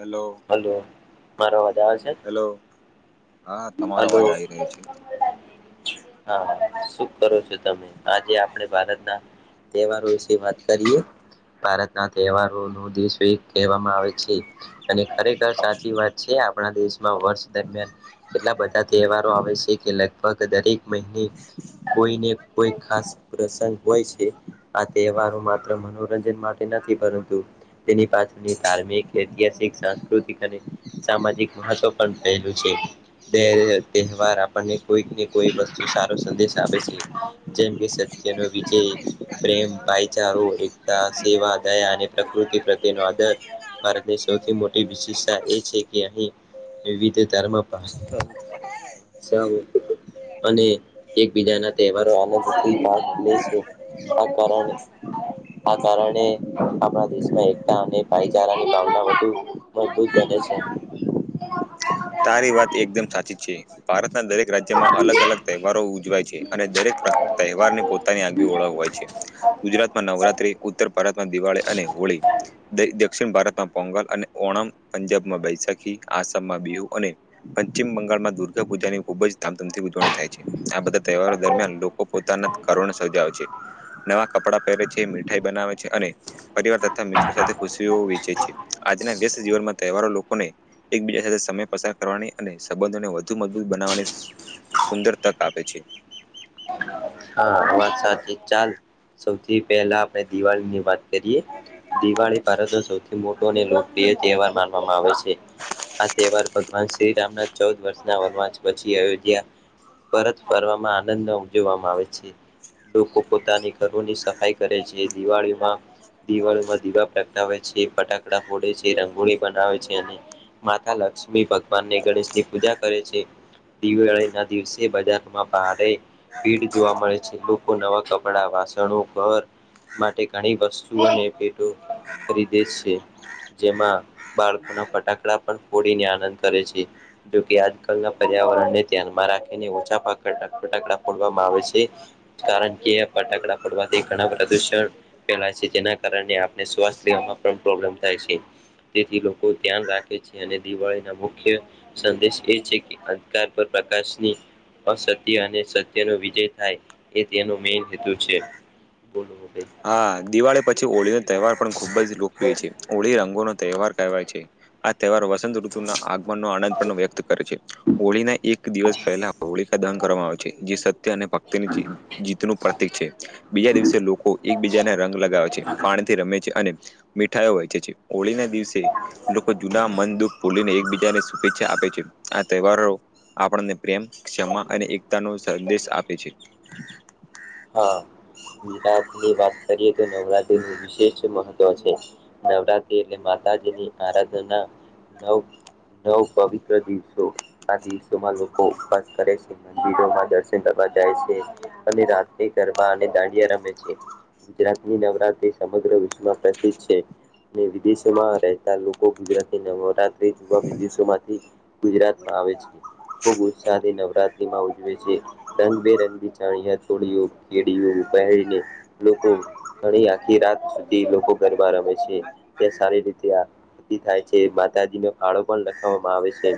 Hello hello, મારો અવાજ આવે છે. હેલો હા, તમારો અવાજ આવી રહ્યો છે. હા. શું કરો છો? તમે. આજે આપણે ભારતના તહેવારો વિશે વાત કરીએ. ભારતના તહેવારોનુ દિવસે કહેવામાં આવે છે. અને ખરેખર સાચી વાત છે, આપ આપણા દેશમાં વર્ષ દરમિયાન એટલા બધા તહેવારો આવે છે કે લગભગ દરેક મહિને કોઈને કોઈ ખાસ પ્રસંગ હોય છે. આ તહેવારો માત્ર મનોરંજન માટે નથી, પરંતુ તેની પાછળની ધાર્મિક ઐતિહાસિક સાંસ્કૃતિક અને સામાજિક મહત્વ પણ રહેલુ છે. બેરે [unintelligible] તહેવાર આપડને કોઈક ને કોઈક વચ્ચે સારો સંદેશ આપે છે. જેમ કે સત્યનો વિ પ્રેમ, ભાઈચારો, એકતા, સેવા, દયા અને પ્રકૃતિ તેનો આદર ભારતની સૌથી મોટી વિશેષતા એ છે કે અહી એવી રીતે [unintelligible] [unintelligible] અને એકબીજાના તહેવારો [unintelligible] આ કારણે આ કારણે આપડા દેશમાં એક અને ભાઈચારાની ભાવના બહુ મજબૂત બને છે. તારી વાત એકદમ સાચી છે ભારતના દરેક રાજ્યમાં અલગ અલગ તહેવારો ઉજવાય છે અને દરેક તહેવાર ની પોતાની આવી ઓળખવાય છે. ગુજરાતમાં નવરાત્રી ઉત્તર ભારતમાં દિવાળી અને હોળી દક્ષિણ પશ્ચિમ ભારતમાં પોંગલ અને ઓણમ પંજાબમાં બૈશાખી આસામમાં બી અને પશ્ચિમ બંગાળમાં દુર્ગા પૂજાની ખૂબ જ ધામધુમથી ઉજવણી થાય છે આ બધા તહેવારો દરમિયાન લોકો પોતાના ઘરોને સર્જાયે છે નવા કપડા પહેરે છે મીઠાઈ બનાવે છે અને પરિવાર તથા મિત્રો સાથે ખુશીઓ વેચે છે આજના વ્યસ્ત જીવનમાં તહેવારો લોકોને એકબીજા સાથે સમય પસાર કરવાની અને સંબંધોને વધુ મજબૂત બનાવવાની સુંદર તક આપે છે. હા વાત સાચી ચાલ સૌથી પહેલા આપણે દિવાળીની વાત કરીએ દિવાળી ભારતનો સૌથી મોટો અને લોકપ્રિય તહેવાર માનવામાં આવે છે. આ તહેવાર ભગવાન શ્રીરામના ચૌદ વર્ષના વનવાસ પછી આયોધયા પરત ફરવામાં આનંદ ઉજવવામાં આવે છે. છે લોકો પોતાની ઘરોની સફાઈ કરે છે દિવાળીમાં દિવાળીમાં દીવા પ્રગટાવે છે ફટાકડા ફોડે છે રંગોળી બનાવે છે અને માતા લક્ષ્મી ભગવાનને ગણેશની પૂજા કરે છે. દિવાળી ના દિવસે બજારમાં ભારે ભીડ જોવા મળે છે લોકો નવા કપડા વાસણો ઘર માટે ઘણી વસ્તુ ને ફેટો ખરીદે છે. જેમાં બાળકોના ફટાકડા પણ ફોડીને આનંદ કરે છે. જોકે આજકાલના પર્યાવરણ ને ધ્યાનમાં રાખીને ઓછા ફટાકડા ફોડવામાં આવે છે. છે કારણ કે ફટાકડા ફોડવાથી ઘણા પ્રદુષણ ફેલાઈ છે જેના કારણે આપને શ્વાસ લેવામાં પણ પ્રોબ્લેમ થાય છે. તેથી લોકો ધ્યાન રાખે છે અને દિવાળીના મુખ્ય સંદેશ એ છે કે અ પર પ્રકાશની અસત્ય અને સત્યનો વિજય થાય એ તેનો મેન હેતુ છે. હા દિવાળી પછી હોળીનો તહેવાર પણ ખુબ જ લોકપ્રિય છે હોળી રંગોનો તહેવાર કહેવાય છે. તહેવાર વસંત ઋતુના આગમનનો આનંદ પણ વ્યક્ત કરે છે હોળીના એક દિવસ પહેલા હોળીકા દહ કરવામાં આવે છે જે સત્ય અને ભક્તિની જીતનું પ્રતિક છે બીજા દિવસે લોકો એકબીજાને રંગ લગાવે છે પાણીથી રમે છે અને મીઠાઈઓ વહેંચે છે હોળી ના દિવસે લોકો જૂના મન દુઃખ બોલીને એકબીજાને શુભેચ્છા આપે છે આ તહેવારો આપણને પ્રેમ ક્ષમા અને એકતા નો સંદેશ આપે છે. હા ગુજરાતની વાત કરીએ તો નવરાત્રીનું વિશેષ મહત્વ છે. નવરાત્રી એટલે માતાજીની આરાધના નવ નવ પવિત્ર દિવસો આ દિવસોમાં લોકો ઉપવાસ કરે છે. મંદિરોમાં દર્શન કરવા જાય છે અને રાત તે ગરબા અને દાંડિયા રમે છે ગુજરાતની નવરાત્રી સમગ્ર વિશ્વમાં પ્રસિદ્ધ છે અને વિદેશમાં રહેતા લોકો ગુજરાતી નવરાત જવા વિદેશોમાંથી ગુજરાતમાં આવે છે. ખૂબ ઉત્સાહથી નવરાત્રીમાં ઉજવે છે રંગ બેરંગી ચણિયા ચોડીઓ કેડીઓ પહેરીને લોકો ઘણી આખી રાત સુધી લોકો ગરબા રમે છે ત્યા સારી રીતે થાય જે માતાજી નો ભાળો પણ લખાવવામાં આવે છે.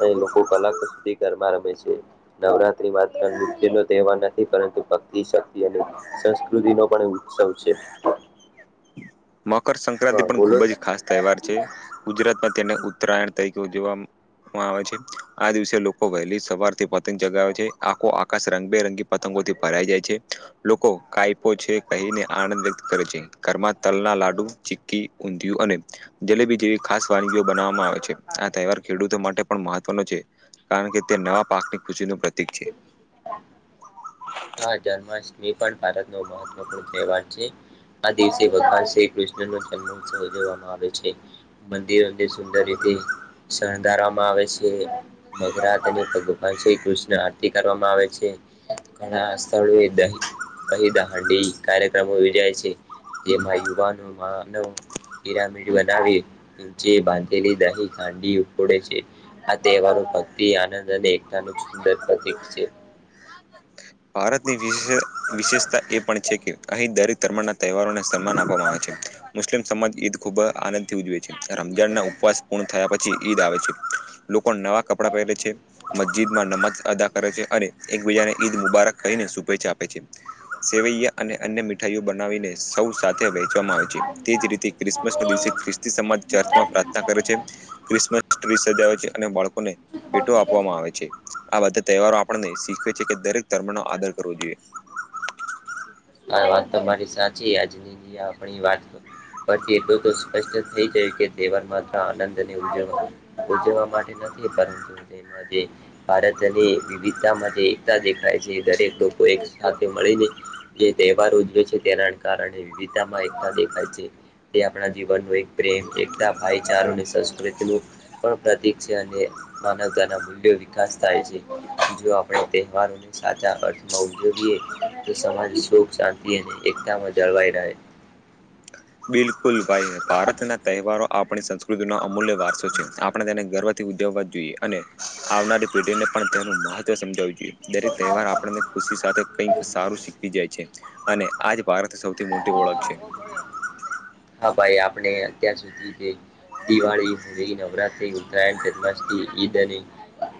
અહીં લોકો કલાકો સુધી ગરબા રમે છે નવરાત્રી માત્ર નૃત્ય નો તહેવાર નથી પરંતુ ભક્તિ શક્તિ અને સંસ્કૃતિ નો પણ ઉત્સવ છે. મકરસક્રાંતિ પણ ખુબ જ ખાસ તહેવાર છે ગુજરાતમાં તેને ઉત્તરાયણ તરીકે ઉજવવા મા આવે છે આ દિવસે લોકો વહેલી સવારથી પતંગ ચગાવે છે આખો આકાશ રંગબેરંગી પતંગ ભરાય જાય છે લોકો કહે છે કહીને આનંદ વ્યક્ત કરે છે ઘ તલના લાડુ ચીકી ઊંધિયું અને જલેબી જેવી ખાસ વાનગીઓ બનાવામાં આવે છે આ તહેવાર ખેડૂતો માટે પણ મહત્વનો છે કારણ કે તે નવા પાકની ખુશી પ્ર હા જન્મષ એ પણ ભારતનો મહત્ત્વપૂર્ણ તહેવાર છે આ દિવસે ભગવાન શ્રી કૃષ્ણ નો જન્મોત્સવ ઉજવવામાં આવે છે મંદિરો સુંદર રીતે શણગારવામાં આવે છે મગરા તેને ભગવાન શ્રી કૃષ્ણ કરવામાં આવે છે ઘણા સ્થળોએ દહી દહી હાંડી કાર્યક્રમો યોજાય છે જેમાં યુવાનો મા નવ પિરામીડબનાવી બાંધેલી દહી ખાંડી ઉડે છે આ તહેવારો ભક્તિ આનંદ અને એકતાનું સુંદર પ્રતીિક છે ભારતની વિશે વિશેષતા એ પણ છે કે અહીં દરેક ધર્મના તહેવારોને સન્માન આપવામાં આવે છે મુસ્લિમ સમાજ ઈદ ખૂબ આનંદથી ઉજવે છે રમજાન ના ઉપવાસ પૂર્ણ થયા પછી ઈદ આવે છે પણ નવા કપડાં પહેરે છે મસ્જિદમાં નમાજ અદા કરે છે અને એકબીજાનેઈ મુબારક કહીને શુભેચ્છા આપે છે સેવૈયા અને અન્ય મીઠાઈઓ બનાવીને સૌ સાથે છે તેજ રીતે ક્રિસમસ દિવસે ખ્રિસ્તી સમાજ ચર્ચમાં પ્રાર્થના કરે છે્રિસમ આવે છે અને બાળકોને ભેટો આપવામાં આવે છે આ બધા તહેવારો આપણને શીખ કે દરેક ધર્મનો આદર કરવો જોઈએ હ વાત તો મારી સાચી આજની આપણી વાત તો પરથી એટલું તો સ્પષ્ટ થઈ જયું કે તહેવાર માત્ર આનંદને ઉજવ ઉજવવા માટે નથી પરંતુ તેમાં જે ભારતની વિવિધતામાં જે એકતા દેખાય છે દરેક લોકો એક સાથે મળીને જે તહેવાર ઉજવે છે તેના કારણે વિવિધતામાં એકતા દેખાય છે. તે આપણા જીવનનો એક પ્રેમ એકતા ભાઈચારો અને સંસ્કૃતિનું પણ પ્રતિક છે અને માનવતાના મૂલ્યો વિકાસ થાય છે જો આપણે તહેવારોને સાચા અર્થ માં ઉજ તો સમાજ સુખ શાંતિ અને એકતામાં જળવાઈ રહે. બિલકુલ ભાઈ ભારત ના તહેવારો આપ આપણી સંસ્કૃતિ નો અમૂલ્ય વારસો છે આપણે તેને ગર્વથી ઉજવવા જોઈએ અને આવનારી પેઢીને પણ તેનું મહત્વ સમજાવું જોઈએ દરેક તહેવાર આપણને ખુશી સાથે કઈક સારું શીખવી જાય છે. અને આજ ભારત સૌથી મોટી ઓળખ છે. હા ભાઈ આપણે અત્યાર સુધી જે દિવાળી, હોળી, નવરાત્રી, ઉત્તરાયણ, જન્માષ્ટમી, ઈદ અને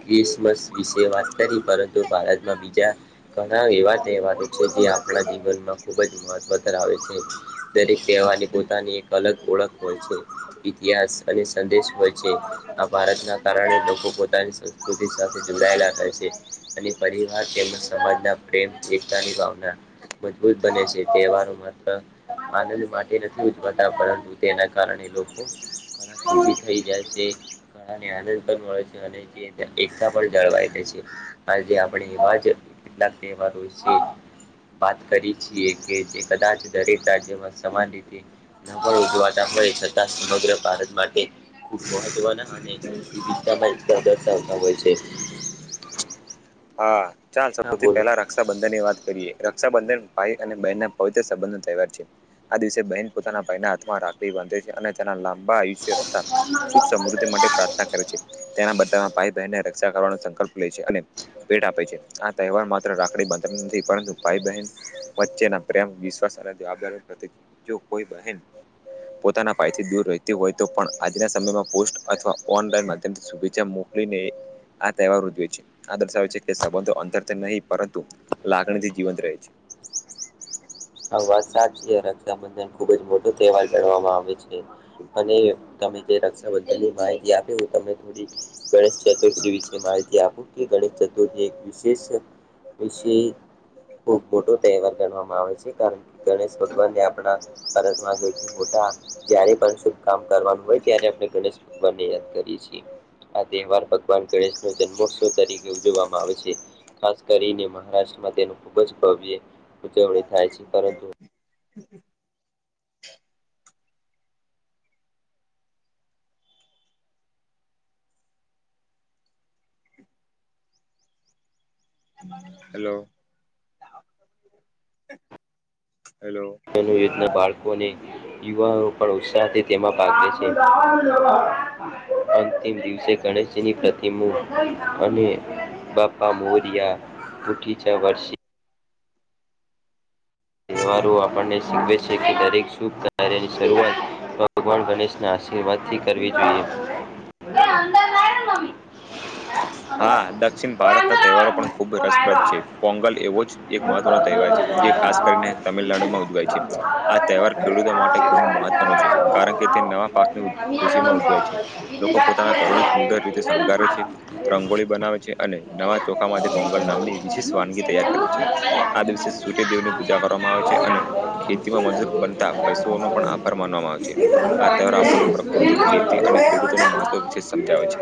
ક્રિસમસ વિશે વાત કરી પરંતુ ભારતમાં બીજા ઘણા એવા તહેવારો છે એ આપણા જીવનમાં ખુબ જ મહત્વ ધરાવે છે દરેક કહેવાની પોતાની એક અલગ ઓળખ હોય છે ઇતિહાસ અને સંદેશ હોય છે આ ભારતના કારણે લોકો પોતાની સંસ્કૃતિ સાથે જોડાયેલા રહે છે. અને પરિવાર તેમજ સમાજના પ્રેમ છે એકતાની ભાવના મજબૂત બને છે તહેવારો માત્ર આનંદ માટે નથી ઉજવાતા પરંતુ તેના કારણે લોકો ઘણાખ સૂખી [inaudible] થઇ જાય છે ઘળાને આનંદ પણ મળે છે અને તે એકતા પણ જળવાઈ દે છે. આજે આપણે એવા જ કેટલાક તહેવારો છે. [inaudible] વાત કરી છીએ કે જે કદાચ દરેક રાજ્યમાં સમાન રીતે ઉજવાતા હોય છતાં સમગ્ર ભારત માટે ખૂબ મહત્વના અને વિવિધતામાં એકતા દર્શાવતા હોય છે. હા, ચાલ સૌથી તો પહેલા રક્ષાબંધનની વાત કરીએ. રક્ષાબંધન, ભાઈ અને બહેનનો પવિત્ર સંબંધનો તહેવાર છે. આ દિવસે બહેન પોતાના ભાઈના હાથમાં રાખડી બાંધે છે અને તેના લાંબા આયુષ્ય તા સુખ સમૃદ્ધિ માટે પ્રાર્થના કરે છે તેના બધ ભાઈ બહેનને રક્ષા કરવાનો સંકલ્પ લે છે અને પેટ આપે છે આ તહેવાર માત્ર રાખડી બાંધતા નથી પરંતુ ભાઈ બહેન વચ્ચેના પ્રેમ સારાદાર [inaudible] પ્ર જો કોઈ બહેન પોતાના ફાયથી દૂર રહેતી હોય તો પણ આજના સમયમાં પોસ્ટ અથવા ઓનલાઈન માધ્યમથી શુભચ્છા મોક ને આ તહેવાર ઉજવે છે. આ દર્શાવે છે કે સંબંધો અંતરથી નહીં પરંતુ લાગણીથી જીવંત રહે છે. સંબંધ ખૂબ જ મોટો તહેવાર ગણવામાં આવે છે અને તમે જે રક્ષાબંધની ભાય આપે [inaudible] હું તમને થોડી ગણેશ ચતુર્થી વિશે માહિતી ત્યાપુ [inaudible] કે ગણેશ ચતુર્થી એક વિશેષ વિશે ખુબ મોટો તહેવાર ગણવામાં આવે છે. ણ [inaudible] ગણેશ ભગવાનને આપણા ભારતમાં સૌથી મોટા જ્યારે પણ શુભકામ કરવાનું હોય ત્યારે આપણે ગણેશ ભગવાનને યાદ કરીએ છીએ આ તહેવાર ભગવાન ગણેશનો જન્મોત્સવ તરીકે ઉજવવામાં આવે છે ખાસ કરીને મહારાષ્ટ્ર તેનું ખૂબ જ ભવ્ય ઉજવણી થાય છે પરંતુ હેલો. હેલો મનુ યદના [inaudible] બાળ લોકોને યુવાનો પણ ઉત્સાહ થી તેમા ભાગ લે છે અંતિમ દિવસે ગણેશજીની પ્રતિમ અને બાપા મોરિયા મુઠી ચા વર્ષી તહેવારો આપ મને શીખવે છે કે દરેક શુભ કાર્યની શરૂઆત ભગવાન ગણેશ ના આશીર્વાદ થી કરવી હ. [inaudible] એ અંદર લાય ને મમ્મી હા દક્ષિણ ભારતના તહેવારો પણ ખુબ રસપ્રદ છે, પોંગલ એવો જ એક મહત્વનો તહેવાર છે. જે ખાસ ને તમિલનાડુમાં ઉજવાય છે આ તહેવાર ખેડૂતો માટે ખૂબ મહત્વનો છે કારણ કે તે નવા ખુશી માં ઉજવાય છે લોકો પોતાના કરણ સુંદર રીતે શણગારે છે વિદેશ રંગોળી બનાવે છે અને નવા ચોખા માંથી પોંગલ નામની વિશેષ વાનગી તૈયાર કરે છે આ દિવસે સુૂટે દવને પૂજા કરવામાં આવે છે અને ખેતીમાં મજૂર બનતા પશુઓનો પણ આભાર માનવામાં આવે છે આ તહેવાર આપને પ્રકૃતિ ખેતી અને ખેડૂતો ન મહત્વ વિશે સમજાવે છે